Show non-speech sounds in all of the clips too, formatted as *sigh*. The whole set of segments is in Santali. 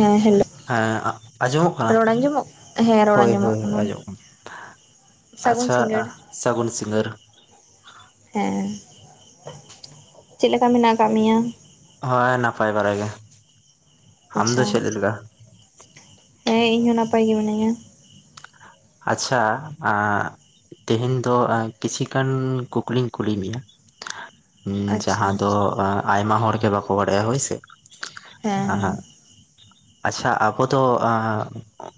ᱦᱮᱸ ᱦᱮᱞᱳ ᱦᱮᱸ ᱟᱸᱡᱚᱢᱚᱜ ᱠᱟᱱᱟ ᱨᱚᱲ ᱟᱸᱡᱚᱢᱚᱜ ᱦᱮᱸ ᱨᱚᱲ ᱦᱳᱭ ᱟᱸᱡᱚᱢᱚᱜ ᱦᱳᱭ ᱠᱟᱱᱟ ᱟᱸᱡᱚᱢᱚᱜ ᱥᱟᱹᱜᱩᱱ ᱟᱪᱪᱷᱟ ᱥᱤᱸᱜᱟᱹᱲ ᱥᱟᱹᱜᱩᱱ ᱥᱤᱸᱜᱟᱲ᱾ ᱦᱮᱸ ᱪᱮᱫ ᱞᱮᱠᱟ ᱢᱮᱱᱟᱜ ᱟᱠᱟᱫ ᱢᱮᱭᱟ? ᱦᱳᱭ ᱱᱟᱯᱟᱭ ᱵᱟᱲᱟ ᱜᱮ ᱟᱢ ᱫᱚ ᱟᱪᱪᱷᱟ ᱪᱮᱫ ᱞᱮᱠᱟ? ᱦᱮᱸ ᱤᱧ ᱦᱚᱸ ᱱᱟᱯᱟᱭ ᱜᱮ ᱢᱤᱱᱟᱹᱧᱟ᱾ ᱟᱪᱪᱷᱟ *unintelligible* ᱛᱮᱦᱮᱧ ᱫᱚ ᱠᱤᱪᱷᱤ ᱜᱟᱱ ᱠᱩᱠᱞᱤᱧ ᱠᱩᱞᱤ ᱢᱮᱭᱟ᱾ ᱟᱪᱪᱷᱟ ᱡᱟᱦᱟᱸ ᱫᱚ ᱟᱭᱢᱟ ᱦᱚᱲ ᱜᱮ ᱵᱟᱠᱚ ᱵᱟᱲᱟᱭᱟ ᱦᱳᱭᱥᱮ ᱦᱮᱸ ᱦᱮᱸ *unintelligible* ᱟᱪᱪᱷᱟ ᱟᱵᱚ ᱫᱚ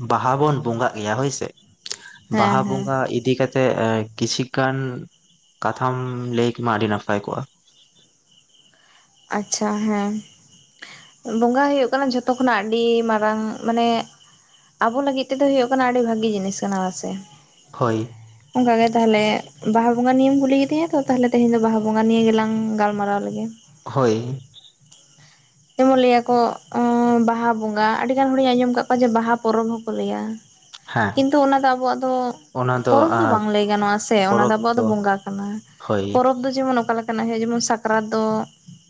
ᱵᱟᱦᱟ ᱵᱚᱱ ᱵᱚᱸᱜᱟᱜ ᱜᱮᱭᱟ ᱦᱳᱭ ᱥᱮ᱾ ᱦᱮᱸ ᱵᱟᱦᱟ ᱦᱮᱸ ᱵᱚᱸᱜᱟ ᱤᱫᱤ *unintelligible* *unintelligible* ᱠᱤᱪᱷᱩ ᱜᱟᱱ ᱠᱟᱛᱷᱟᱢ ᱞᱟᱹᱭ ᱠᱮᱢᱟ ᱟᱹᱰᱤ ᱱᱟᱯᱟᱭ ᱠᱚᱜᱼᱟ᱾ ᱟᱪᱪᱷᱟ ᱦᱮᱸ ᱵᱚᱸᱜᱟ ᱦᱩᱭᱩᱜ ᱠᱟᱱᱟ ᱡᱷᱚᱛᱚ ᱠᱷᱚᱱᱟᱜ ᱟᱹᱰᱤ ᱢᱟᱨᱟᱝ ᱢᱟᱱᱮ ᱟᱵᱚ ᱞᱟᱹᱜᱤᱫ ᱛᱮᱫᱚ ᱦᱳᱭᱳᱜ ᱠᱟᱱᱟ ᱟᱹᱰᱤ ᱵᱷᱟᱜᱤ ᱡᱤᱱᱤᱥ ᱠᱟᱱᱟ ᱦᱮᱥᱮ᱾ ᱦᱳᱭ ᱚᱝᱠᱟᱜᱮ ᱛᱟᱦᱚᱞᱮ ᱵᱟᱦᱟ ᱵᱚᱸᱜᱟ ᱱᱤᱭᱮᱢ ᱠᱩᱞᱤ ᱠᱤᱫᱤᱧᱟ ᱛᱚ ᱛᱟᱦᱚᱞᱮ ᱛᱮᱦᱮᱧ ᱫᱚ ᱵᱟᱦᱟ ᱵᱚᱸᱜᱟ ᱱᱤᱭᱮ ᱜᱮᱞᱟᱝ ᱜᱟᱞᱢᱟᱨᱟᱣ ᱞᱮᱜᱮ ᱦᱳᱭ ᱡᱮᱢᱚᱱ ᱞᱟᱹᱭᱟᱠᱚ ᱵᱟᱦᱟ ᱵᱚᱸᱜᱟ ᱟᱹᱰᱤᱜᱟᱱ ᱦᱚᱲᱤᱧ ᱟᱸᱡᱚᱢ ᱟᱠᱟᱫ ᱠᱚᱣᱟ ᱡᱮ ᱵᱟᱦᱟ ᱯᱚᱨᱚᱵᱽ ᱦᱚᱸᱠᱚ ᱞᱟᱹᱭᱟ ᱦᱮᱸ ᱠᱤᱱᱛᱩ ᱚᱱᱟᱫᱚ ᱟᱵᱚᱣᱟᱜ ᱫᱚ ᱯᱚᱨᱚᱵᱽ ᱫᱚ ᱵᱟᱝ ᱞᱟᱹᱭ ᱜᱟᱱᱚᱜᱼᱟ ᱥᱮ ᱚᱱᱟᱫᱚ ᱟᱵᱚᱣᱟᱜ ᱫᱚ ᱵᱚᱸᱜᱟ ᱠᱟᱱᱟ, ᱦᱳᱭ ᱯᱚᱨᱚᱵᱽ ᱡᱮᱢᱚᱱ ᱚᱠᱟ ᱞᱮᱠᱟᱱᱟᱜ ᱦᱮ ᱡᱮᱢᱚᱱ ᱥᱟᱠᱨᱟᱛ ᱫᱚ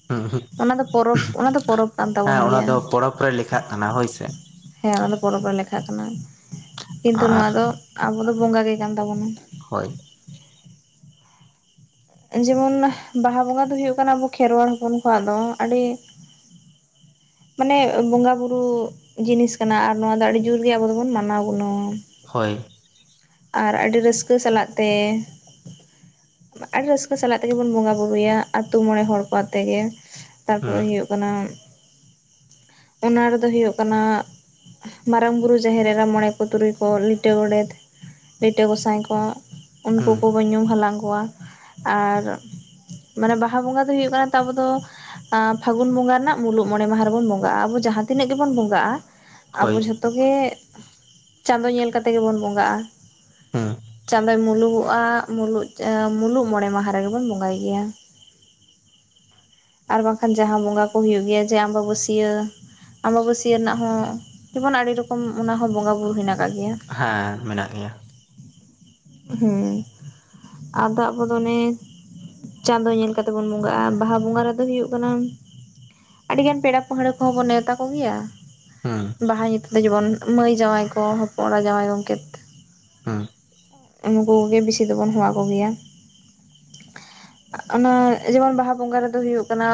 ᱦᱩᱸ ᱦᱩᱸ ᱚᱱᱟ ᱫᱚ ᱯᱚᱨᱚᱵᱽ ᱚᱱᱟ ᱫᱚ ᱯᱚᱨᱚᱵᱽ ᱠᱟᱱ ᱦᱮᱸ ᱛᱟᱵᱚᱱ ᱚᱱᱟ ᱜᱮᱭᱟ ᱫᱚ ᱯᱚᱨᱚᱵᱽ ᱨᱮ ᱞᱮᱠᱷᱟᱜ ᱠᱟᱱᱟ ᱦᱳᱭ ᱥᱮ ᱦᱮᱸ ᱚᱱᱟᱫᱚ ᱯᱚᱨᱚᱵᱽ ᱨᱮ ᱞᱮᱠᱷᱟᱜ ᱠᱟᱱᱟ, ᱠᱤᱱᱛᱩ ᱟᱨ ᱱᱚᱣᱟ ᱫᱚ ᱟᱵᱚ ᱫᱚ ᱵᱚᱸᱜᱟ ᱜᱮ ᱠᱟᱱ ᱛᱟᱵᱚᱱᱟ᱾ ᱦᱳᱭ ᱡᱮᱢᱚᱱ ᱵᱟᱦᱟ ᱵᱚᱸᱜᱟ ᱫᱚ ᱦᱩᱭᱩᱜ ᱠᱟᱱᱟ ᱟᱵᱚ ᱠᱷᱮᱨᱣᱟᱞ ᱦᱚᱯᱚᱱ ᱠᱚᱣᱟᱜ ᱫᱚ ᱟᱹᱰᱤ *unintelligible* ᱢᱟᱱᱮ ᱵᱚᱸᱜᱟ ᱵᱩᱨᱩ ᱡᱤᱱᱤᱥ ᱠᱟᱱᱟ ᱟᱨ ᱱᱚᱶᱟ ᱫᱚ ᱟᱹᱰᱤ ᱡᱳᱨᱜᱮ ᱟᱵᱚ ᱫᱚᱵᱚᱱ ᱢᱟᱱᱟᱣ ᱜᱩᱱᱟᱹᱣᱟ ᱦᱳᱭ ᱟᱨ ᱟᱹᱰᱤ ᱨᱟᱹᱥᱠᱟᱹ ᱥᱟᱞᱟᱜ ᱛᱮ ᱟᱹᱰᱤ ᱨᱟᱹᱥᱠᱟᱹ ᱥᱟᱞᱟᱜ ᱛᱮᱜᱮ ᱵᱚᱱ ᱵᱚᱸᱜᱟ ᱵᱩᱨᱩᱭᱟ ᱟᱛᱳ ᱢᱚᱬᱮ ᱦᱚᱲ ᱠᱚ ᱟᱛᱮ ᱜᱮ ᱦᱩᱸ ᱛᱟᱨᱯᱚᱨᱮ ᱦᱩᱭᱩᱜ ᱠᱟᱱᱟ ᱚᱱᱟ ᱨᱮᱫᱚ ᱦᱩᱭᱩᱜ ᱠᱟᱱᱟ ᱢᱟᱨᱟᱝ ᱵᱩᱨᱩ ᱡᱟᱦᱮᱨ ᱮᱨᱟ ᱢᱚᱬᱮ ᱠᱚ ᱛᱩᱨᱩᱭ ᱠᱚ ᱞᱤᱴᱟᱹ ᱜᱚᱰᱮᱛ ᱞᱤᱴᱟᱹ ᱜᱚᱸᱥᱟᱭ ᱠᱚ ᱩᱱᱠᱩ ᱦᱩᱸ ᱠᱚᱵᱚᱱ ᱧᱩᱢ ᱦᱟᱞᱟᱝ ᱠᱚᱣᱟ ᱟᱨ ᱢᱟᱱᱮ ᱵᱟᱦᱟ ᱵᱚᱸᱜᱟ ᱫᱚ ᱦᱩᱭᱩᱜ ᱠᱟᱱ ᱛᱟᱵᱚ ᱫᱚ ᱯᱷᱟᱹᱜᱩᱱ ᱵᱚᱸᱜᱟ ᱨᱮᱱᱟᱜ ᱢᱩᱞᱩᱜ ᱢᱚᱬᱮ ᱢᱟᱦᱟ ᱨᱮᱵᱚᱱ ᱵᱚᱸᱜᱟᱜᱼᱟ, ᱟᱵᱚ ᱡᱟᱦᱟᱸ ᱛᱤᱱᱟᱹᱜ ᱜᱮᱵᱚᱱ ᱵᱚᱸᱜᱟᱜᱼᱟ ᱦᱳᱭ ᱟᱵᱚ ᱡᱷᱚᱛᱚ ᱜᱮ, ᱪᱟᱸᱫᱚ ᱧᱮᱞ ᱠᱟᱛᱮ ᱜᱮᱵᱚᱱ ᱵᱚᱸᱜᱟᱜᱼᱟ᱾ ᱦᱩᱸ ᱪᱟᱸᱫᱳᱭ ᱢᱩᱞᱩᱜᱚᱜᱼᱟ, ᱢᱩᱞᱩᱜ ᱢᱩᱞᱩᱜ ᱢᱚᱬᱮ ᱢᱟᱦᱟ ᱨᱮᱜᱮ ᱵᱚᱱ ᱵᱚᱸᱜᱟᱭ ᱜᱮᱭᱟ᱾ ᱟᱨ ᱵᱟᱝᱠᱷᱟᱱ ᱡᱟᱦᱟᱸ ᱵᱚᱸᱜᱟ ᱠᱚ ᱦᱳᱭᱳᱜ ᱜᱮᱭᱟ ᱡᱮ ᱟᱸᱵᱟᱵᱟᱹ ᱥᱭᱟᱹ ᱟᱸᱵᱟᱵᱟᱹᱥᱭᱟᱹ ᱨᱮᱱᱟᱜ ᱦᱚᱸ ᱡᱮᱢᱚᱱ ᱟᱹᱰᱤ ᱨᱚᱠᱚᱢ ᱚᱱᱟ ᱦᱚᱸ ᱵᱚᱸᱜᱟ ᱵᱩᱨᱩ ᱦᱮᱱᱟᱜ ᱟᱠᱟᱫ ᱜᱮᱭᱟ᱾ ᱦᱮᱸ, ᱢᱮᱱᱟᱜ ᱜᱮᱭᱟ ᱦᱮᱸ, ᱟᱫᱚ ᱟᱵᱚ ᱫᱚ ᱚᱱᱮ *inaudible* ᱪᱟᱸᱫᱚ ᱧᱮᱞ ᱠᱟᱛᱮ ᱵᱚᱱ ᱵᱚᱸᱜᱟᱜᱼᱟ, ᱵᱟᱦᱟ ᱵᱚᱸᱜᱟ ᱨᱮᱫᱚ ᱦᱩᱭᱩᱜ ᱠᱟᱱᱟ ᱟᱹᱰᱤ ᱜᱟᱱ ᱯᱮᱲᱟ ᱯᱟᱹᱲᱦᱟᱹ ᱠᱚᱦᱚᱸ ᱵᱚᱱ ᱱᱮᱣᱛᱟ ᱠᱚ ᱜᱮᱭᱟ ᱦᱩᱸ ᱵᱟᱦᱟ ᱧᱩᱛᱩᱢ ᱛᱮ ᱡᱮᱢᱚᱱ ᱢᱟᱹᱭ ᱡᱟᱶᱟᱭ ᱠᱚ ᱦᱚᱯᱚᱱ ᱮᱨᱟ ᱡᱟᱶᱟᱭ ᱜᱚᱢᱠᱮᱛ᱾ ᱦᱮᱸ ᱩᱱᱠᱩ ᱠᱚᱜᱮ ᱵᱮᱥᱤ ᱫᱚᱵᱚᱱ ᱦᱚᱦᱚ ᱟᱠᱚ ᱜᱮᱭᱟ᱾ ᱚᱱᱟ ᱡᱮᱢᱚᱱ ᱵᱟᱦᱟ ᱵᱚᱸᱜᱟ ᱨᱮᱫᱚ ᱦᱩᱭᱩᱜ ᱠᱟᱱᱟ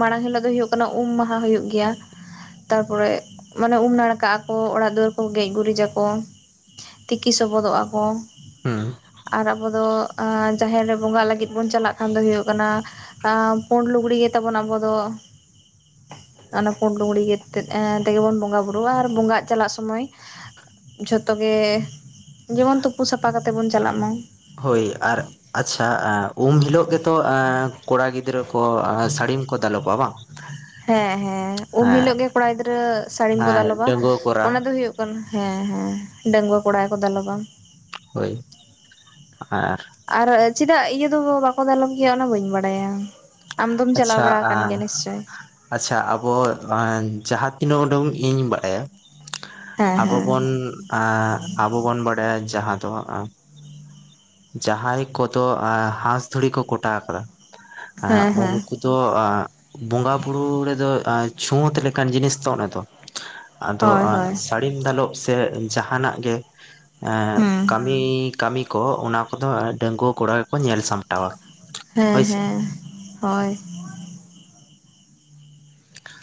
ᱢᱟᱲᱟᱝ ᱦᱤᱞᱳ ᱫᱚ ᱦᱩᱭᱩᱜ ᱠᱟᱱᱟ ᱩᱢ ᱢᱟᱦᱟ ᱦᱩᱭᱩᱜ ᱜᱮᱭᱟ᱾ ᱛᱟᱨᱯᱚᱨᱮ ᱢᱟᱱᱮ ᱩᱢ ᱱᱟᱲᱠᱟᱜ ᱟᱠᱚ ᱚᱲᱟᱜ ᱫᱩᱣᱟᱹᱨ ᱠᱚ ᱜᱮᱡ ᱜᱩᱨᱤᱡᱟᱠᱚ, ᱛᱤᱠᱤ ᱥᱚᱵᱚᱫᱚᱜᱼᱟ ᱦᱩᱸ ᱟᱨ ᱟᱵᱚ ᱫᱚ ᱡᱟᱦᱮᱨ ᱨᱮ ᱵᱚᱸᱜᱟᱜ ᱞᱟᱹᱜᱤᱫ ᱵᱚᱱ ᱪᱟᱞᱟᱜ ᱠᱷᱟᱱ ᱫᱚ ᱦᱩᱭᱩᱜ ᱠᱟᱱᱟ ᱟᱸ ᱯᱩᱸᱰ ᱞᱩᱜᱽᱲᱤ ᱜᱮ ᱛᱟᱵᱚᱱ ᱟᱵᱚ ᱫᱚ ᱚᱱᱟ ᱯᱩᱸᱰ ᱞᱩᱜᱽᱲᱤ *unintelligible* ᱛᱮᱜᱮ ᱵᱚᱱ ᱵᱚᱸᱜᱟ ᱵᱩᱨᱩᱜᱼᱟ ᱟᱨ ᱵᱚᱸᱜᱟᱜ ᱪᱟᱞᱟᱜ ᱥᱚᱢᱚᱭ ᱡᱷᱚᱛᱚ ᱜᱮ ᱡᱮᱢᱚᱱ ᱛᱩᱯᱩ ᱥᱟᱯᱷᱟ ᱠᱟᱛᱮ ᱵᱚᱱ ᱪᱟᱞᱟᱜ ᱢᱟ᱾ ᱦᱳᱭ ᱟᱨ ᱟᱪᱪᱷᱟ, ᱩᱢ ᱦᱤᱞᱳᱜ ᱜᱮᱛᱚ ᱠᱚᱲᱟ ᱜᱤᱫᱽᱨᱟᱹ ᱠᱚ ᱥᱟᱹᱲᱤᱢ ᱠᱚ ᱫᱟᱞᱚᱵᱟ, ᱵᱟᱝ? ᱦᱮᱸ ᱦᱮᱸ ᱩᱢ ᱦᱮᱸ ᱦᱤᱞᱳ ᱜᱮ ᱠᱚᱲᱟ ᱜᱤᱫᱽᱨᱟᱹ ᱥᱟᱹᱲᱤᱢ ᱠᱚ ᱦᱮᱸ ᱫᱟᱞᱚᱵᱟ ᱰᱟᱺᱜᱩᱣᱟᱹ ᱠᱚᱨᱟ ᱚᱱᱟ ᱫᱚ ᱦᱩᱭᱩᱜ ᱠᱟᱱᱟ ᱦᱮᱸ ᱦᱮᱸ ᱰᱟᱺᱜᱽᱣᱟᱹ ᱠᱚᱲᱟ ᱜᱮᱠᱚ ᱫᱟᱞᱚᱵᱟ᱾ ᱦᱳᱭ, ᱟᱨ ᱟᱨ ᱪᱮᱫᱟᱜ ᱤᱭᱟᱹ ᱫᱚ ᱵᱟᱠᱚ ᱫᱟᱞᱚᱵ ᱜᱮᱭᱟ ᱚᱱᱟ ᱵᱟᱹᱧ ᱵᱟᱰᱟᱭᱟ ᱟᱢᱫᱚᱢ ᱪᱟᱞᱟᱣ ᱟᱪᱪᱷᱟ ᱵᱟᱲᱟ ᱟᱠᱟᱱ ᱜᱮᱭᱟ ᱱᱤᱥᱪᱚᱭ ᱟᱪᱪᱷᱟ ᱟᱵᱚ ᱡᱟᱦᱟᱸ ᱛᱤᱱᱟᱹᱜ ᱳᱰᱳᱝ ᱤᱧ ᱵᱟᱰᱟᱭᱟ ᱦᱮᱸ ᱟᱵᱚ ᱦᱮᱸ ᱵᱚᱱ ᱟ ᱟᱵᱚ ᱵᱚᱱ ᱵᱟᱰᱟᱭᱟ ᱡᱟᱦᱟᱸ ᱫᱚ ᱟᱸᱼᱼ ᱡᱟᱦᱟᱸᱭ ᱠᱚᱫᱚ ᱮᱸ ᱦᱟᱸᱥ ᱫᱷᱩᱲᱤ ᱠᱚ ᱠᱚᱴᱟ ᱠᱟᱫᱟ ᱮᱸᱻ ᱦᱮᱸ ᱦᱮᱸ ᱩᱱᱠᱩ ᱛᱚ ᱮᱸᱻ ᱵᱚᱸᱜᱟ ᱵᱩᱨᱩ ᱨᱮᱫᱚ ᱪᱷᱩᱸᱣᱟᱹᱛ ᱞᱮᱠᱟᱱ ᱡᱤᱱᱤᱥ ᱛᱚ ᱚᱱᱮ ᱛᱚ ᱟᱫᱚ ᱦᱳᱭ ᱦᱳᱭ ᱥᱟᱹᱲᱤᱢ ᱫᱟᱞᱚᱵ ᱥᱮ ᱡᱟᱦᱟᱸᱱᱟᱜ ᱜᱮ ᱟᱸ ᱦᱩᱸ ᱠᱟᱹᱢᱤᱼᱼ ᱢᱤ ᱠᱟᱹᱢᱤ ᱠᱚ ᱚᱱᱟ ᱠᱚᱫᱚ ᱰᱟᱺᱜᱩᱣᱟᱹ ᱠᱚᱲᱟ ᱜᱮᱠᱚ ᱧᱮᱞ ᱥᱟᱢᱴᱟᱣᱟ ᱦᱳᱭ ᱦᱮᱸ ᱥᱮ ᱦᱮᱸ ᱦᱚᱭ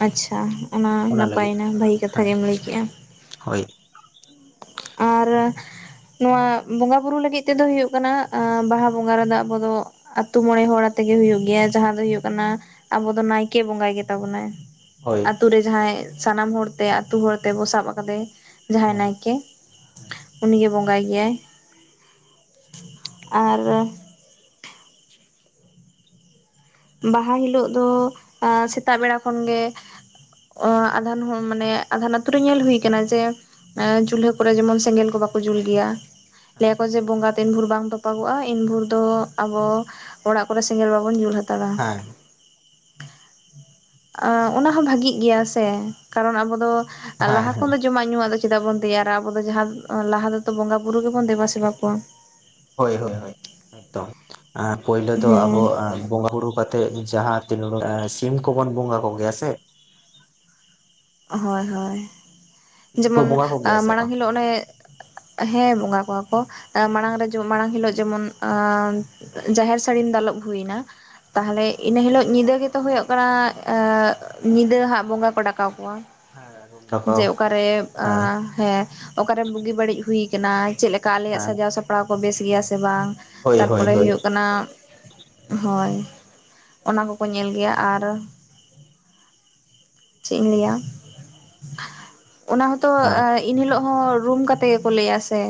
ᱟᱪᱪᱷᱟ ᱚᱱᱟ ᱱᱟᱯᱟᱭᱮᱱᱟ ᱵᱷᱟᱹᱜᱤ ᱦᱮᱸ ᱠᱟᱛᱷᱟᱜᱮᱢ ᱞᱟᱹᱭ ᱠᱮᱜᱼᱟ ᱦᱳᱭ ᱟᱨᱻ ᱱᱚᱣᱟ ᱵᱚᱸᱜᱟ ᱵᱩᱨᱩ ᱞᱟᱹᱜᱤᱜ ᱛᱮᱫᱚ ᱦᱩᱭᱩᱜ ᱠᱟᱱᱟ ᱵᱟᱦᱟ ᱵᱚᱸᱜᱟ ᱨᱮᱫᱚ ᱟᱵᱚ ᱫᱚ ᱟᱛᱩ ᱢᱚᱬᱮ ᱦᱚᱲ ᱟᱛᱮ ᱜᱮ ᱦᱩᱭᱩᱜ ᱜᱮᱭᱟ ᱡᱟᱦᱟᱸ ᱫᱚ ᱦᱩᱭᱩᱜ ᱠᱟᱱᱟ ᱟᱵᱚ ᱫᱚ ᱱᱟᱭᱠᱮ ᱵᱚᱸᱜᱟᱭ ᱜᱮᱛᱟ ᱵᱚᱱᱟᱭ ᱦᱳᱭ ᱟᱛᱩ ᱨᱮ ᱡᱟᱦᱟᱸᱭ ᱥᱟᱱᱟᱢ ᱦᱚᱲ ᱛᱮ ᱟᱛᱩ ᱦᱚᱲ ᱛᱮᱵᱚ ᱥᱟᱵ ᱟᱠᱟᱫᱮ ᱡᱟᱦᱟᱸᱭ ᱦᱮᱸ ᱱᱟᱭᱠᱮ ᱩᱱᱤ ᱜᱮ ᱵᱚᱸᱜᱟᱭ ᱜᱮᱭᱟᱭ ᱟᱨ ᱵᱟᱦᱟ ᱦᱤᱞᱚᱜ ᱫᱚ ᱥᱮᱛᱟᱜ ᱵᱮᱲᱟ ᱠᱷᱚᱱ ᱜᱮ ᱚ ᱟᱫᱷᱟᱱ ᱦᱚᱸ ᱢᱟᱱᱮ ᱟᱫᱷᱟᱱ ᱟᱹᱛᱩ ᱨᱮ ᱧᱮᱞ ᱦᱩᱭ ᱠᱟᱱᱟ ᱡᱮ ᱪᱩᱞᱦᱟᱹ ᱠᱚᱨᱮ ᱡᱮᱢᱚᱱ ᱥᱮᱸᱜᱮᱞ ᱠᱚ ᱵᱟᱠᱚ ᱡᱳᱞ ᱜᱮᱭᱟ ᱞᱟᱹᱭᱟ ᱠᱚ ᱡᱮ ᱵᱚᱸᱜᱟ ᱛᱤᱱ ᱵᱷᱩᱨ ᱵᱟᱝ ᱛᱚᱯᱟᱜᱚᱜᱼᱟ ᱤᱱᱵᱷᱩᱨ ᱫᱚ ᱟᱵᱚ ᱚᱲᱟᱜ ᱠᱚᱨᱮ ᱥᱮᱸᱜᱮᱞ ᱵᱟᱵᱚᱱ ᱡᱳᱞ ᱦᱟᱛᱟᱲᱟ ᱦᱮᱸ ᱚᱱᱟ ᱦᱚᱸ ᱵᱷᱟᱜᱤᱜ ᱜᱮᱭᱟ ᱥᱮ ᱠᱟᱨᱚᱱ ᱟᱵᱚ ᱫᱚ ᱦᱮᱸ ᱞᱟᱦᱟ ᱠᱷᱚᱱ ᱫᱚ ᱡᱚᱢᱟᱜ ᱧᱩᱣᱟᱜ ᱫᱚ ᱪᱮᱫᱟᱜ ᱵᱚᱱ ᱛᱮᱭᱟᱨᱟ ᱟᱵᱚ ᱫᱚ ᱡᱟᱦᱟᱸ ᱞᱟᱦᱟ ᱫᱚᱛᱚ ᱵᱚᱸᱜᱟ ᱵᱩᱨᱩ ᱜᱮᱵᱚᱱ ᱫᱮᱵᱟ ᱥᱮᱵᱟ ᱠᱚᱣᱟ ᱦᱳᱭ ᱦᱳᱭ ᱦᱳᱭ ᱮᱠᱫᱚᱢ ᱯᱩᱹᱭᱞᱚᱹ ᱫᱚ ᱟᱵᱚ ᱦᱮᱸ ᱵᱚᱸᱜᱟ ᱵᱩᱨᱩ ᱠᱟᱛᱮᱜ ᱡᱟᱦᱟᱸ ᱛᱤᱱᱩ ᱰᱟᱹᱝ ᱥᱤᱢ ᱠᱚᱵᱚᱱ ᱵᱚᱸᱜᱟ ᱠᱚ ᱜᱮᱭᱟ ᱥᱮ ᱦᱚᱭ ᱦᱚᱭ ᱥᱤᱢ ᱠᱚ ᱡᱮᱢᱚᱱ ᱵᱚᱸᱜᱟ ᱠᱚᱜᱮᱭᱟ ᱥᱮ ᱢᱟᱲᱟᱝ ᱵᱟᱝ ᱦᱤᱞᱚᱜ ᱚᱱᱮ ᱦᱮᱸ ᱵᱚᱸᱜᱟ ᱠᱚᱣᱟ ᱠᱚ ᱢᱟᱲᱟᱝ ᱨᱮ ᱡᱚ ᱢᱟᱲᱟᱝ ᱦᱤᱞᱚᱜ ᱡᱮᱢᱚᱱ ᱡᱟᱦᱮᱨ ᱥᱟᱹᱲᱤᱢ ᱫᱟᱞᱚᱵ ᱦᱩᱭ ᱱᱟ ᱛᱟᱦᱚᱞᱮ ᱤᱱᱟᱹ ᱦᱤᱞᱚᱜ ᱧᱤᱫᱟᱹ ᱜᱮᱛᱚ ᱦᱚᱭᱚᱜ ᱠᱟᱱᱟ ᱧᱤᱫᱟᱹ ᱦᱟᱸᱜ ᱵᱚᱸᱜᱟ ᱠᱚ ᱰᱟᱠᱟᱣ ᱠᱚᱣᱟ ᱦᱮᱸ ᱨᱩᱢ ᱰᱟᱠᱟᱣ ᱡᱮ ᱚᱠᱟᱨᱮᱼᱟ ᱦᱮᱸ ᱦᱮᱸ ᱚᱠᱟ ᱨᱮ ᱵᱩᱜᱤ ᱵᱟᱹᱲᱤᱡ ᱦᱩᱭ ᱠᱟᱱᱟ ᱪᱮᱜ ᱞᱮᱠᱟ ᱟᱞᱮᱭᱟᱜ ᱦᱮᱸ ᱥᱟᱡᱟᱣ ᱥᱟᱯᱲᱟᱣ ᱠᱚ ᱵᱮᱥ ᱜᱮᱭᱟ ᱥᱮ ᱵᱟᱝ ᱦᱳᱭ ᱦᱳᱭ ᱛᱟᱨᱯᱚᱨᱮ ᱦᱳᱭ ᱦᱚᱭᱚᱜ ᱠᱟᱱᱟ ᱦᱚᱭ ᱚᱱᱟ ᱠᱚᱠᱚ ᱧᱮᱞ ᱜᱮᱭᱟ ᱟᱨ ᱪᱮᱫ ᱞᱟᱹᱭᱟ *unintelligible* ᱚᱱᱟ ᱦᱚᱛᱚ ᱟᱨ ᱤᱱ ᱦᱤᱞᱚᱜ ᱦᱚᱸ ᱨᱩᱢ ᱠᱟᱛᱮ ᱜᱮᱠᱚ ᱞᱟᱹᱭᱟ ᱥᱮ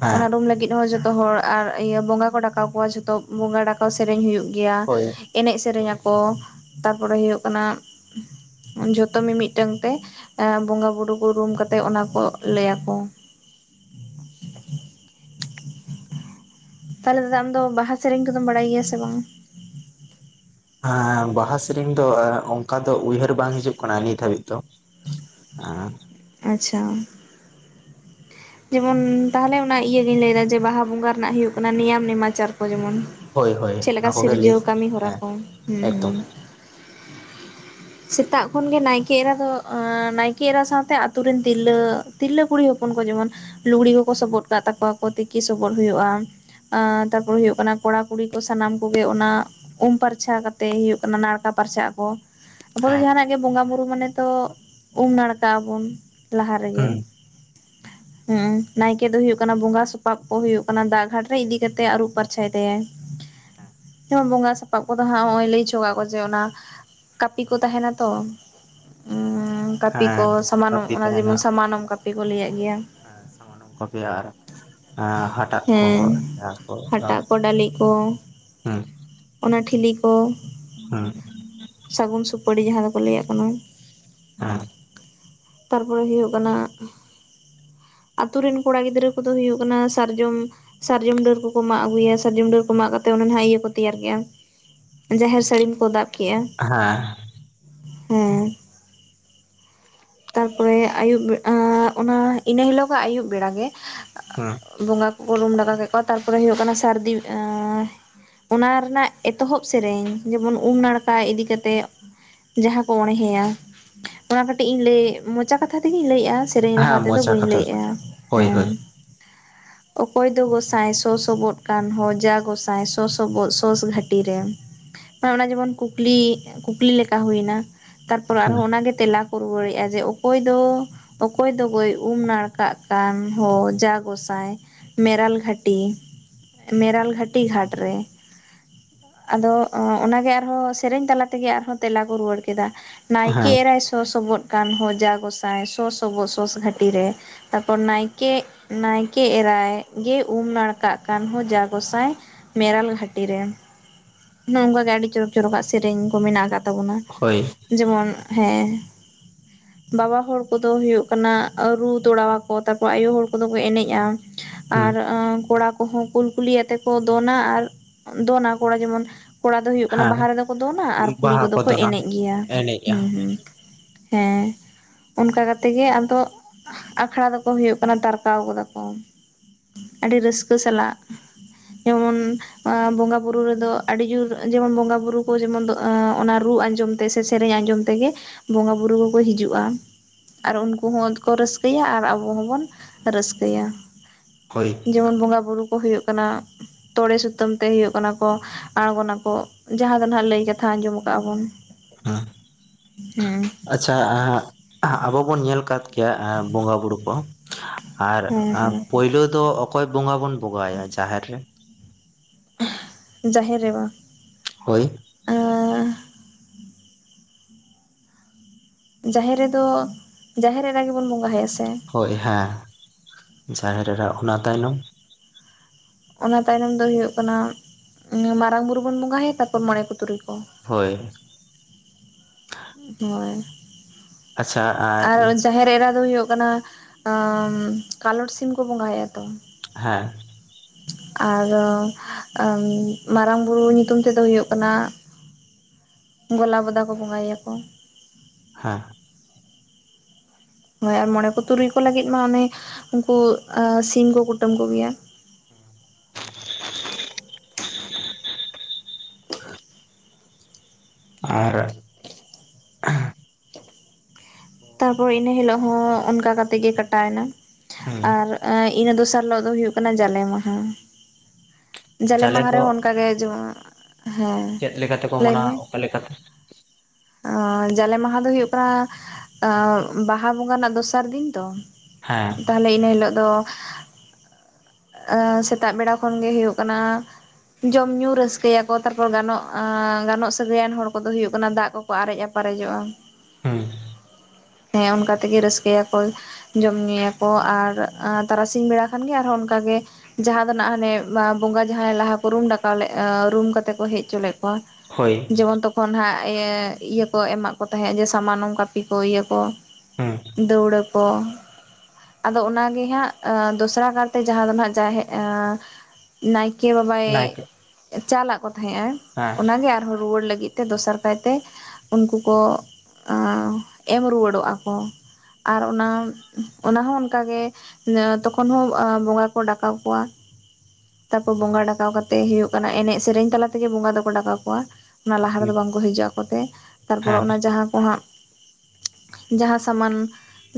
ᱦᱮᱸ ᱚᱱᱟ ᱨᱩᱢ ᱞᱟᱹᱜᱤᱫ ᱡᱚᱛᱚ ᱦᱚᱲ ᱟᱨ ᱤᱭᱟᱹ ᱵᱚᱸᱜᱟ ᱠᱚ ᱰᱟᱠᱟᱣ ᱠᱚᱣᱟ ᱡᱷᱚᱛᱚ ᱵᱚᱸᱜᱟ ᱰᱟᱠᱟᱣ ᱥᱮᱨᱮᱧ ᱦᱩᱭᱩᱜ ᱜᱮᱭᱟ ᱦᱳᱭ ᱮᱱᱮᱡ ᱥᱮᱨᱮᱧ ᱟᱠᱚ ᱛᱟᱨᱯᱚᱨᱮ ᱦᱚᱭᱚᱜ ᱠᱟᱱᱟ ᱡᱚᱛᱚ ᱢᱤ-ᱢᱤᱫᱴᱟᱝ ᱛᱮ ᱵᱚᱸᱜᱟ ᱵᱩᱨᱩ ᱠᱩ ᱨᱩᱢ ᱠᱟᱛᱮ ᱚᱱᱟ ᱠᱚ ᱞᱟᱹᱭᱟ ᱠᱚ ᱛᱟᱦᱚᱞᱮ ᱫᱟᱫᱟ ᱟᱢ ᱫᱚ ᱵᱟᱦᱟ ᱥᱮᱨᱮᱧ ᱠᱚᱫᱚᱢ ᱵᱟᱲᱟᱭ ᱜᱮᱭᱟ ᱥᱮ ᱵᱟᱝ ᱵᱟᱦᱟ ᱥᱮᱨᱮᱧ ᱫᱚ ᱚᱱᱠᱟ ᱫᱚ ᱩᱭᱦᱟᱹᱨ ᱵᱟᱝ ᱦᱤᱡᱩᱜ ᱠᱟᱱᱟ ᱱᱤᱛ ᱦᱟᱹᱵᱤᱡ ᱫᱚ *unintelligible* ᱟᱪᱪᱷᱟ ᱡᱮᱢᱚᱱ ᱛᱟᱦᱚᱞᱮ ᱚᱱᱟ ᱤᱭᱟᱹᱜᱤᱧ ᱞᱟᱹᱭ ᱫᱟ ᱡᱮ ᱵᱟᱦᱟ ᱵᱚᱸᱜᱟ ᱨᱮᱱᱟᱜ ᱦᱩᱭᱩᱜ ᱠᱟᱱᱟ ᱱᱮᱭᱟᱢ ᱱᱮᱢᱟᱪᱟᱨ ᱠᱚ ᱡᱮᱢᱚᱱ ᱦᱳᱭ ᱦᱳᱭ ᱪᱮᱜ ᱞᱮᱠᱟ ᱚᱱᱟ ᱠᱚᱜᱮ ᱞᱟᱹᱭ ᱥᱤᱨᱡᱟᱹᱣ ᱠᱟᱹᱢᱤ ᱦᱚᱨᱟ ᱦᱮᱸ ᱠᱚ ᱦᱩᱸ ᱮᱠᱫᱚᱢ ᱦᱩᱸ ᱥᱮᱛᱟᱜ ᱠᱷᱚᱱ ᱜᱮ ᱱᱟᱭᱠᱮ ᱮᱨᱟ ᱫᱚ ᱱᱟᱭᱠᱮ ᱮᱨᱟ ᱥᱟᱶ ᱛᱮ ᱟᱛᱩ ᱨᱮᱱ ᱛᱤᱨᱞᱟᱹ ᱛᱤᱨᱞᱟᱹ ᱠᱩᱲᱤ ᱦᱚᱯᱚᱱ ᱠᱚ ᱡᱮᱢᱚᱱ ᱞᱩᱜᱽᱲᱤ ᱠᱚᱠᱚ ᱥᱚᱵᱚᱫ ᱠᱟᱜ ᱛᱟᱠᱚᱣᱟᱠᱚ ᱛᱤᱠᱤ ᱥᱚᱵᱚᱫ ᱦᱩᱭᱩᱜᱼᱟ ᱛᱟᱨᱯᱚᱨ ᱦᱩᱭᱩᱜ ᱠᱟᱱᱟ ᱠᱚᱲᱟ ᱠᱩᱲᱤ ᱠᱚ ᱥᱟᱱᱟᱢ ᱠᱚᱜᱮ ᱚᱱᱟ ᱩᱢ ᱯᱟᱨᱪᱷᱟ ᱠᱟᱛᱮᱭ ᱦᱩᱭᱩᱜ ᱠᱟᱱᱟ ᱱᱟᱲᱠᱟ ᱯᱟᱨᱪᱷᱟᱜ ᱟᱠᱚ ᱟᱵᱚ ᱫᱚ ᱦᱮᱸ ᱡᱟᱦᱟᱸᱱᱟᱜ ᱜᱮ ᱵᱚᱸᱜᱟ ᱵᱩᱨᱩ ᱢᱟᱱᱮ ᱛᱚ ᱩᱢ ᱱᱟᱲᱠᱟᱜ ᱟᱵᱚᱱ ᱞᱟᱦᱟ ᱨᱮᱜᱮ ᱦᱩᱸ *unintelligible* ᱦᱩᱸ ᱱᱟᱭᱠᱮ ᱫᱚ ᱦᱩᱭᱩᱜ ᱠᱟᱱᱟ ᱵᱚᱸᱜᱟ ᱥᱚᱯᱟᱵ ᱠᱚ ᱦᱩᱭᱩᱜ ᱠᱟᱱᱟ ᱫᱟᱜ ᱜᱷᱟᱴ ᱨᱮ ᱤᱫᱤ ᱠᱟᱛᱮᱜ ᱟᱹᱨᱩᱵ ᱯᱟᱨᱪᱟᱭ ᱛᱟᱭᱟᱭ ᱾ *inaudible* *unintelligible* ᱵᱚᱸᱜᱟ ᱥᱟᱯᱟᱵ ᱠᱚᱫᱚ ᱦᱟᱸᱜ ᱱᱚᱜᱼᱚᱸᱭ ᱞᱟᱹᱭ ᱦᱚᱪᱚ ᱠᱟᱜ ᱠᱚ ᱡᱮ ᱚᱱᱟ *unintelligible* ᱠᱚ ᱛᱟᱦᱮᱱᱟ ᱛᱚ, ᱠᱟᱹᱯᱤ ᱠᱚ ᱦᱮᱸ ᱥᱟᱢᱟᱱᱚᱜ ᱠᱟᱹᱯᱤ ᱚᱱᱟ ᱛᱟᱦᱮᱱᱟ ᱡᱮᱢᱚᱱ ᱥᱟᱢᱟᱱᱚᱢ *unintelligible* ᱠᱚ ᱞᱟᱹᱭᱟᱜ ᱜᱮᱭᱟ ᱥᱟᱢᱟᱱᱚᱢ ᱠᱚᱜᱮ ᱟᱨ ᱦᱟᱴᱟᱜ ᱠᱚ ᱦᱮᱸ ᱦᱟᱴᱟᱜ *unintelligible* ᱦᱩᱸ *inaudible* ᱚᱱᱟ ᱴᱷᱤᱞᱤ ᱠᱚ, ᱦᱩᱸ ᱥᱟᱹᱜᱩᱱ ᱥᱩᱯᱟᱹᱲᱤ ᱡᱟᱦᱟᱸ ᱫᱚᱠᱚ ᱞᱟᱹᱭᱟᱜ ᱠᱟᱱᱟ ᱾ *unintelligible* ᱛᱟᱨᱯᱚᱨᱮ ᱦᱩᱭᱩᱜ ᱠᱟᱱᱟ ᱟᱛᱳ ᱨᱮᱱ ᱠᱚᱲᱟ ᱜᱤᱫᱽᱨᱟᱹ ᱠᱚᱫᱚ ᱦᱩᱭᱩᱜ ᱠᱟᱱᱟ ᱥᱟᱨᱡᱚᱢ ᱥᱟᱨᱡᱚᱢ ᱰᱟᱹᱨ ᱠᱚᱠᱚ ᱢᱟᱜ ᱟᱹᱜᱩᱭᱟ, ᱥᱟᱨᱡᱚᱢ ᱰᱟᱹᱨ ᱠᱚ ᱢᱟᱜ ᱠᱟᱛᱮᱫ ᱚᱱᱮ ᱱᱟᱦᱟᱜ ᱤᱭᱟᱹ ᱠᱚ ᱛᱮᱭᱟᱨ ᱜᱮᱭᱟ ᱾ ᱡᱟᱦᱮᱨ ᱥᱟᱹᱲᱤᱢ ᱠᱚ ᱫᱟᱵ ᱠᱮᱜᱼᱟ ᱾ ᱦᱮᱸ ᱾ ᱦᱮᱸ ᱾ ᱛᱟᱨᱯᱚᱨᱮ ᱟᱹᱭᱩᱵ, ᱚᱱᱟ ᱤᱱᱟᱹ ᱦᱤᱞᱚᱜ ᱠᱷᱚᱡ ᱟᱹᱭᱩᱵ ᱵᱮᱲᱟ ᱜᱮ *unintelligible* ᱵᱚᱸᱜᱟ ᱠᱚᱠᱚ ᱨᱩᱢ ᱰᱟᱸᱠᱟ ᱠᱮᱫ ᱠᱚᱣᱟ, ᱛᱟᱨᱯᱚᱨᱮ ᱦᱩᱭᱩᱜ ᱠᱟᱱᱟ ᱥᱟᱹᱨᱫᱤ ᱚᱱᱟ ᱨᱮᱱᱟᱜ ᱮᱛᱚᱦᱚᱵ ᱥᱮᱨᱮᱧ ᱡᱮᱢᱚᱱ ᱩᱢ ᱱᱟᱲᱠᱟ ᱤᱫᱤ ᱠᱟᱛᱮ ᱡᱟᱦᱟᱸ ᱠᱚ ᱚᱬᱦᱮᱭᱟ, ᱚᱱᱟ ᱠᱟᱹᱴᱤᱡ ᱤᱧ ᱞᱟᱹᱭ ᱢᱚᱪᱟ ᱠᱟᱛᱷᱟ ᱛᱮᱜᱤᱧ ᱞᱟᱹᱭᱮᱫᱼᱟ ᱾ ᱥᱮᱨᱮᱧ ᱨᱟᱦᱟ ᱦᱮᱸ ᱛᱮᱫᱚ ᱢᱚᱪᱟ ᱵᱟᱹᱧ ᱠᱟᱛᱷᱟ ᱞᱟᱹᱭᱮᱜᱼᱟ ᱦᱳᱭ ᱦᱮᱸ, ᱦᱳᱭ ᱚᱠᱚᱭ ᱫᱚ ᱜᱚᱸᱥᱟᱭ ᱥᱚᱥᱚᱵᱚᱜ ᱠᱟᱱ ᱦᱚᱸ ᱡᱟ ᱜᱚᱸᱥᱟᱭ ᱥᱚᱥᱚᱵᱚᱜ ᱥᱚᱥ ᱜᱷᱟᱹᱴᱤ ᱨᱮ ᱾ ᱚᱱᱟ ᱡᱮᱢᱚᱱ ᱠᱩᱠᱞᱤ, ᱠᱩᱠᱞᱤ ᱞᱮᱠᱟ ᱦᱩᱭᱱᱟ ᱛᱟᱨᱯᱚᱨ ᱦᱮᱸ ᱟᱨᱦᱚᱸ ᱚᱱᱟᱜᱮ ᱛᱮᱞᱟ ᱠᱚ ᱨᱩᱣᱟᱹᱲᱮᱜᱼᱟ ᱡᱮ ᱚᱠᱚᱭ ᱫᱚ ᱚᱠᱚᱭ ᱫᱚ ᱜᱚᱹᱭ ᱩᱢ ᱱᱟᱲᱠᱟᱜ ᱠᱟᱱ ᱦᱚᱸ ᱡᱟ ᱜᱚᱸᱥᱟᱭ ᱢᱮᱨᱟᱞ ᱜᱷᱟᱴᱤ, ᱢᱮᱨᱟᱞ ᱜᱷᱟᱴᱤ ᱜᱷᱟᱴ ᱨᱮ ᱾ ᱟᱫᱚ ᱚᱱᱟᱜᱮ ᱟᱨᱦᱚᱸ ᱥᱮᱨᱮᱧ ᱛᱟᱞᱟ ᱛᱮᱜᱮ ᱟᱨᱦᱚᱸ ᱛᱮᱞᱟ ᱠᱚ ᱨᱩᱣᱟᱹᱲ ᱠᱮᱫᱟ ᱾ ᱱᱟᱭᱠᱮ ᱦᱮᱸ ᱮᱨᱟᱭ ᱥᱚ-ᱥᱚᱵᱚᱫ ᱠᱟᱱ ᱦᱚ ᱡᱟ ᱜᱚᱸᱥᱟᱭ ᱥᱚᱥᱚᱵᱚᱜ ᱥᱚᱥ ᱜᱷᱟᱹᱴᱤ ᱨᱮ ᱾ ᱛᱟᱨ ᱯᱚᱨ ᱱᱟᱭᱠᱮ ᱱᱟᱭᱠᱮ ᱮᱨᱟᱭ ᱜᱮ ᱩᱢ ᱱᱟᱲᱠᱟᱜ ᱠᱟᱱ ᱦᱚ ᱡᱟ ᱜᱚᱸᱥᱟᱭ ᱢᱮᱨᱟᱞ ᱜᱷᱟᱴᱤ ᱨᱮ, ᱱᱚᱝᱠᱟ ᱜᱮ ᱟᱹᱰᱤ ᱪᱚᱨᱚᱠ ᱪᱚᱨᱚᱠᱟᱜ ᱥᱮᱨᱮᱧ ᱠᱚ ᱢᱮᱱᱟᱜ ᱟᱠᱟᱫ ᱾ ᱛᱟᱵᱚᱱᱟ ᱦᱳᱭ ᱡᱮᱢᱚᱱ ᱦᱮᱸ ᱵᱟᱵᱟ ᱦᱚᱲ ᱠᱚᱫᱚ ᱦᱩᱭᱩᱜ ᱠᱟᱱᱟ ᱨᱩ ᱛᱚᱲᱟᱣᱟᱠᱚ ᱛᱟᱯᱚᱨ ᱟᱭᱳ ᱦᱚᱲ ᱠᱚᱫᱚ ᱠᱚ ᱮᱱᱮᱡᱼᱟ ᱾ ᱦᱩᱸ ᱟᱨ ᱟᱹᱻ ᱠᱚᱲᱟ ᱦᱚᱸ ᱠᱩᱞ ᱠᱩᱞᱤ ᱟᱛᱮ ᱠᱚ ᱫᱚᱱᱟ ᱟᱨ ᱫᱚᱱᱟ ᱠᱚᱲᱟ ᱡᱮᱢᱚᱱ ᱠᱚᱲᱟ ᱫᱚ ᱦᱩᱭᱩᱜ ᱠᱟᱱᱟ ᱦᱮᱸ ᱵᱟᱦᱟ ᱨᱮᱫᱚ ᱠᱚ ᱫᱚᱱᱟ ᱟᱨ ᱠᱩᱲᱤ ᱵᱟᱦᱟ ᱠᱚᱫᱚ ᱠᱚ ᱫᱚᱱᱟ ᱮᱱᱮᱡ ᱜᱮᱭᱟ ᱮᱱᱮᱡᱼᱟ ᱦᱩᱸ ᱦᱩᱸ ᱾ ᱦᱮᱸ ᱚᱱᱠᱟ ᱠᱟᱛᱮ ᱜᱮ ᱟᱫᱚᱜ ᱟᱠᱷᱲᱟ ᱫᱚᱠᱚ ᱦᱩᱭᱩᱜ ᱠᱟᱱᱟ ᱛᱟᱨᱠᱟᱣ ᱜᱚᱫᱟ ᱠᱚ ᱾ ᱟᱹᱰᱤ ᱨᱟᱹᱥᱠᱟᱹ ᱥᱟᱞᱟᱜ ᱡᱮᱢᱚᱱ ᱵᱚᱸᱜᱟ ᱵᱩᱨᱩ ᱨᱮ ᱫᱚ ᱟᱹᱰᱤ ᱡᱩᱨ ᱡᱮᱢᱚᱱ ᱵᱚᱜᱟ ᱵᱩᱨᱩ ᱠᱚ ᱡᱮᱢᱚᱱ ᱫᱚ ᱟᱻ ᱚᱱᱟ ᱨᱩ ᱟᱸᱡᱚᱢ ᱛᱮ ᱥᱮ ᱥᱮᱨᱮᱧ ᱟᱸᱡᱚᱢ ᱛᱮᱜᱮ ᱵᱚᱸᱜᱟ ᱵᱩᱨᱩ ᱠᱚᱠᱚ ᱦᱤᱡᱩᱜᱼᱟ ᱾ ᱟᱨ ᱩᱱᱠᱩ ᱦᱚᱸ ᱠᱚ ᱨᱟᱹᱥᱠᱟᱹᱭᱟ ᱟᱨ ᱟᱵᱚ ᱦᱚᱸᱵᱚᱱ ᱨᱟᱹᱥᱠᱟᱹᱭᱟ ᱾ ᱦᱚᱭ ᱾ ᱡᱮᱢᱚᱱ ᱵᱚᱸᱜᱟ ᱵᱩᱨᱩ ᱠᱚ ᱦᱩᱭᱩᱜ ᱠᱟᱱᱟ ᱾ ᱛᱚᱲᱮ ᱥᱩᱛᱟᱹᱢ ᱛᱮ ᱦᱩᱭᱩᱜ ᱠᱟᱱᱟ ᱠᱚ ᱟᱬᱜᱚᱱᱟ ᱠᱚ ᱡᱟᱦᱟᱸ ᱫᱚ ᱱᱟᱦᱟᱜ ᱞᱟᱹᱭ ᱠᱟᱛᱷᱟ ᱟᱸᱡᱚᱢ ᱠᱟᱜᱼᱟ ᱵᱚᱱ ᱾ *inaudible* ᱦᱩᱸ ᱾ ᱟᱪᱪᱷᱟ ᱟᱵᱚ ᱵᱚᱱ ᱧᱮᱞ ᱠᱟᱫ ᱠᱮᱭᱟ ᱵᱚᱸᱜᱟ ᱵᱩᱨᱩ ᱠᱚ ᱾ ᱟᱨ ᱦᱮᱸ ᱦᱮᱸ ᱯᱳᱭᱞᱩ ᱫᱚ ᱚᱠᱚᱭ ᱵᱚᱸᱜᱟ ᱵᱚᱱ ᱵᱚᱸᱜᱟᱣᱟᱭᱟ ᱡᱟᱦᱮᱨ ᱨᱮ? ᱡᱟᱦᱮᱨ ᱨᱮ ᱢᱟ ᱦᱳᱭ ᱡᱟᱦᱮᱨ ᱨᱮᱫᱚ ᱡᱟᱦᱮᱨ ᱮᱨᱟ ᱜᱮᱵᱚᱱ ᱵᱚᱸᱜᱟ ᱟᱭᱟ ᱥᱮ ᱦᱳᱭ ᱦᱮᱸ ᱡᱟᱦᱮᱨ ᱮᱨᱟ ᱚᱱᱟ ᱛᱟᱭᱱᱚᱢ ᱚᱱᱟ ᱛᱟᱭᱱᱚᱢ ᱫᱚ ᱦᱳᱭᱳᱜ ᱠᱟᱱᱟ, ᱢᱟᱨᱟᱝ ᱵᱩᱨᱩ ᱵᱩᱱ ᱵᱚᱸᱜᱟ ᱦᱟᱭᱟ ᱛᱟᱨᱯᱚᱨ ᱢᱚᱬᱮ ᱠᱚ ᱛᱩᱨᱩᱭ ᱠᱚ᱾ ᱦᱳᱭ ᱦᱳᱭ ᱟᱪᱪᱷᱟ ᱟᱨ ᱡᱟᱦᱮᱨ ᱮᱨᱟ ᱫᱚ ᱦᱳᱭᱳᱜ ᱠᱟᱱᱟ ᱠᱟᱞᱚᱴ ᱥᱤᱢ ᱠᱚ ᱵᱚᱸᱜᱟ ᱟᱭᱟ ᱛᱚ? ᱦᱮᱸ ᱟᱨᱚ ᱟᱹᱧ ᱢᱟᱨᱟᱝ ᱵᱩᱨᱩ ᱧᱩᱛᱩᱢ ᱛᱮᱫᱚ ᱦᱳᱭᱳᱜ ᱠᱟᱱᱟ ᱜᱚᱞᱟ ᱵᱚᱫᱟ ᱠᱚ ᱵᱚᱸᱜᱟ ᱭᱟᱠᱚ᱾ ᱦᱮᱸ ᱦᱳᱭ ᱟᱨ ᱢᱚᱬᱮ ᱠᱚ ᱛᱩᱨᱩᱭ ᱠᱚ ᱞᱟᱹᱜᱤᱜ ᱢᱟ ᱚᱱᱮ ᱩᱱᱠᱩ ᱥᱤᱢ ᱠᱚ ᱠᱩᱴᱟᱹᱢ ᱠᱚᱜᱮᱭᱟ᱾ *unintelligible* ᱟᱨ ᱛᱟᱨᱯᱚᱨ ᱤᱱᱟᱹ ᱦᱤᱞᱳᱜ ᱦᱚᱸ ᱚᱱᱠᱟ ᱠᱟᱛᱮᱜ ᱜᱮ ᱠᱟᱴᱟᱣ ᱱᱟ ᱦᱩᱸ ᱟᱨ ᱟᱹ ᱤᱱᱟᱹ ᱫᱚᱥᱟᱨ ᱦᱤᱞᱳᱜ ᱫᱚ ᱦᱳᱭᱳᱜ ᱠᱟᱱᱟ ᱡᱟᱞᱮ ᱢᱟᱦᱟ᱾ ᱡᱟᱞᱮ ᱢᱟᱦᱟ ᱨᱮᱦᱚᱸ ᱚᱱᱠᱟ ᱜᱮ ᱡᱚᱢ ᱦᱮᱸ ᱞᱟᱹᱭ ᱢᱮ᱾ ᱚᱞᱮ *unintelligible* ᱡᱟᱞᱮ ᱢᱟᱦᱟ ᱫᱚ ᱦᱳᱭᱳᱜ ᱠᱟᱱᱟ, ᱵᱟᱦᱟ ᱵᱚᱸᱜᱟ ᱨᱮᱱᱟᱜ ᱫᱚᱥᱟᱨ ᱫᱤᱱ ᱛᱚ? ᱦᱮᱸ ᱛᱟᱦᱞᱮ ᱤᱱᱟᱹ ᱦᱤᱞᱳᱜ ᱫᱚ, ᱥᱮᱛᱟᱜ ᱵᱮᱲᱟ ᱠᱷᱚᱱ ᱜᱮ ᱦᱳᱭᱳᱜ ᱠᱟᱱᱟ᱾ ᱡᱚᱢ ᱧᱩ ᱨᱟᱹᱥᱠᱟᱹᱭᱟᱠᱚ ᱛᱟᱨᱯᱚᱨ ᱜᱟᱱᱚᱜ ᱜᱟᱱᱚᱜ ᱥᱟᱹᱜᱟᱹᱭᱟᱱ ᱦᱚᱲ ᱠᱚᱫᱚ ᱦᱳᱭᱳᱜ ᱠᱟᱱᱟ ᱫᱟᱜ ᱠᱚ ᱟᱨᱮᱡ-ᱟᱯᱟᱨᱮᱡᱚᱜᱼᱟ᱾ ᱦᱩᱸ ᱦᱮᱸ ᱚᱱᱠᱟ ᱛᱮᱜᱮ ᱨᱟᱹᱥᱠᱟᱹᱭᱟᱠᱚ᱾ ᱡᱚᱢ ᱧᱩᱭᱟᱠᱚ ᱟᱨ ᱛᱟᱨᱟᱥᱤᱧ ᱵᱮᱲᱟ ᱠᱷᱟᱱᱜᱮ ᱟᱨᱦᱚᱸ ᱚᱱᱠᱟᱜᱮ ᱡᱟᱦᱟᱸ ᱫᱚ ᱱᱟᱜ ᱦᱟᱱᱮ ᱵᱚᱸᱜᱟ ᱡᱟᱦᱟᱭ ᱞᱟᱦᱟ ᱠᱚ ᱨᱩᱢ ᱰᱟᱠᱟᱣ ᱞᱮᱫ ᱨᱩᱢ ᱠᱟᱛᱮ ᱠᱚ ᱦᱮᱡ ᱦᱚᱪᱚ ᱞᱮᱫ ᱠᱚᱣᱟ᱾ ᱦᱳᱭ ᱡᱮᱢᱚᱱ ᱛᱚᱠᱷᱚᱱ ᱦᱟᱸᱜ ᱤᱭᱟᱹ ᱠᱚ ᱮᱢᱟᱜ ᱠᱚ ᱛᱟᱦᱮᱸᱫ ᱡᱮ ᱥᱟᱢᱟᱱᱚᱢ ᱠᱟᱹᱯᱤ ᱠᱚ ᱤᱭᱟᱹ ᱠᱚ᱾ ᱦᱩᱸ ᱫᱟᱹᱣᱲᱟᱹ ᱠᱚ᱾ ᱟᱫᱚ ᱚᱱᱟᱜᱮ ᱦᱟᱸᱜ ᱫᱚᱥᱨᱟ ᱠᱟᱨᱛᱮ ᱡᱟᱦᱟᱸ ᱫᱚ ᱱᱟᱜ ᱡᱟᱦᱮᱜᱼᱟ ᱱᱟᱭᱠᱮ ᱵᱟᱵᱟᱭ ᱱᱟᱭᱠᱮ ᱪᱟᱞᱟᱜ ᱠᱚ ᱛᱟᱦᱮᱸᱜᱼᱟ, ᱦᱮᱸ ᱚᱱᱟᱜᱮ ᱟᱨᱦᱚᱸ ᱨᱩᱣᱟᱹᱲ ᱞᱟᱹᱜᱤᱫ ᱛᱮ ᱫᱚᱥᱟᱨ ᱠᱟᱭᱛᱮ ᱩᱱᱠᱩ ᱠᱚ ᱮᱢ ᱨᱩᱣᱟᱹᱲᱚᱜᱼᱟ ᱠᱚ ᱟᱨ ᱚᱱᱟ ᱚᱱᱟ ᱦᱚᱸ ᱚᱱᱠᱟᱜᱮ ᱛᱚᱠᱷᱚᱱ ᱦᱚᱸ ᱵᱚᱸᱜᱟ ᱠᱚ ᱰᱟᱠᱟᱣ ᱠᱚᱣᱟ᱾ ᱛᱟᱨᱯᱚᱨ ᱵᱚᱸᱜᱟ ᱰᱟᱠᱟᱣ ᱠᱟᱛᱮ ᱦᱳᱭᱳᱜ ᱠᱟᱱᱟ ᱮᱱᱮᱡ ᱥᱮᱨᱮᱧ ᱛᱟᱞᱟ ᱛᱮᱜᱮ ᱵᱚᱸᱜᱟ ᱫᱚᱠᱚ ᱰᱟᱠᱟᱣ ᱠᱚᱣᱟ᱾ ᱚᱱᱟ ᱞᱟᱦᱟ ᱨᱮᱫᱚ ᱵᱟᱝᱠᱚ ᱦᱤᱡᱩᱜ ᱟᱠᱚᱛᱮ ᱛᱟᱨᱯᱚᱨᱮ ᱦᱮᱸ ᱚᱱᱟ ᱡᱟᱦᱟᱸ ᱠᱚ ᱦᱟᱸᱜ ᱡᱟᱦᱟᱸ ᱥᱟᱢᱟᱱ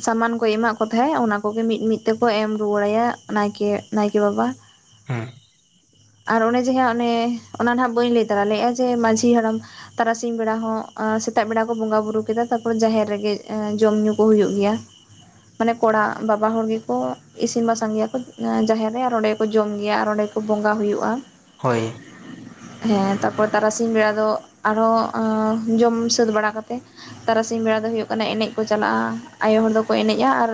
ᱥᱟᱢᱟᱱ ᱠᱚ ᱮᱢᱟᱜ ᱠᱚ ᱛᱟᱦᱮᱸᱜ ᱚᱱᱟ ᱠᱚᱜᱮ ᱢᱤᱫ ᱢᱤᱫ ᱛᱮᱠᱚ ᱮᱢ ᱨᱩᱣᱟᱹᱲᱟᱭᱟ ᱱᱟᱭᱠᱮ ᱱᱟᱭᱠᱮ ᱵᱟᱵᱟ᱾ ᱦᱩᱸ ᱟᱨ ᱚᱱᱮ ᱡᱮ ᱦᱟᱸ ᱚᱱᱮ ᱚᱱᱟ ᱱᱟᱦᱟᱜ ᱵᱟᱹᱧ ᱞᱟᱹᱭ ᱛᱟᱨᱟ ᱞᱮᱜᱼᱟ ᱡᱮ ᱢᱟᱺᱡᱷᱤ ᱦᱟᱲᱟᱢ᱾ ᱛᱟᱨᱟᱥᱤᱧ ᱵᱮᱲᱟ ᱦᱚᱸ ᱚᱸ ᱥᱮᱛᱟᱜ ᱵᱮᱲᱟ ᱠᱚ ᱵᱚᱸᱜᱟ ᱵᱩᱨᱩ ᱠᱮᱫᱟ ᱛᱟᱯᱚᱨ ᱡᱟᱦᱮᱨ ᱨᱮᱜᱮ ᱡᱚᱢ ᱧᱩ ᱠᱚ ᱦᱩᱭᱩᱜ ᱜᱤᱭᱟ᱾ ᱢᱟᱱᱮ ᱠᱚᱲᱟ ᱵᱟᱵᱟ ᱦᱚᱲ ᱜᱮᱠᱚ ᱤᱥᱤᱱ ᱵᱟᱥᱟᱝ ᱜᱮᱭᱟ ᱠᱚ ᱡᱟᱦᱮᱨ ᱨᱮ ᱟᱨ ᱚᱸᱰᱮ ᱠᱚ ᱡᱚᱢ ᱜᱮᱭᱟ ᱟᱨ ᱚᱸᱰᱮ ᱵᱚᱸᱜᱟ ᱦᱩᱭᱩᱜᱼᱟ᱾ ᱦᱳᱭ ᱦᱮᱸ ᱛᱟᱨᱯᱚᱨ ᱛᱟᱨᱟᱥᱤᱧ ᱵᱮᱲᱟ ᱫᱚ ᱟᱨᱦᱚᱸ ᱟᱸ ᱡᱚᱢ ᱥᱟᱹᱛ ᱵᱟᱲᱟ ᱠᱟᱛᱮ ᱛᱟᱨᱟᱥᱤᱧ ᱵᱮᱲᱟ ᱫᱚ ᱦᱳᱭᱳᱜ ᱠᱟᱱᱟ ᱮᱱᱮᱡ ᱠᱚ ᱪᱟᱞᱟᱜᱼᱟ ᱟᱭᱳ ᱦᱚᱲ ᱫᱚᱠᱚ ᱮᱱᱮᱡᱼᱟ ᱟᱨ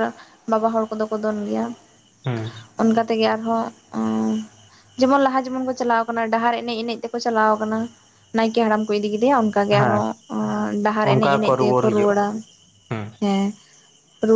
ᱵᱟᱵᱟ ᱦᱚᱲ ᱠᱚᱫᱚ ᱠᱚ ᱫᱚᱱ ᱜᱮᱭᱟ ᱦᱮᱸ ᱚᱱᱠᱟ ᱛᱮᱜᱮ ᱟᱨᱦᱚᱸ ᱚᱸ ᱡᱮᱢᱚᱱ ᱞᱟᱦᱟ ᱡᱮᱢᱚᱱ ᱠᱚ ᱪᱟᱞᱟᱣ ᱟᱠᱟᱱᱟ ᱰᱟᱦᱟᱨ ᱮᱱᱮᱡ ᱮᱱᱮᱡ ᱛᱮᱠᱚ ᱪᱟᱞᱟᱣ ᱠᱟᱱᱟ ᱱᱟᱭᱠᱮ ᱦᱟᱲᱟᱢ ᱠᱚ ᱤᱫᱤ ᱠᱮᱫᱮᱭᱟ ᱚᱱᱠᱟ᱾ ᱦᱮᱸ *inaudible* ᱰᱟᱦᱟᱨ ᱮᱱᱮᱡ ᱚᱱᱠᱟ ᱠᱚ ᱮᱱᱮᱡ ᱨᱩᱣᱟᱹᱲ ᱛᱮᱜᱮᱠᱚ ᱦᱤᱡᱩᱜᱼᱟ ᱨᱩᱣᱟᱹᱲᱟ ᱦᱮᱸ᱾ ᱨᱩ